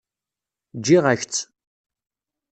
Ǧǧiɣ-ak-tt.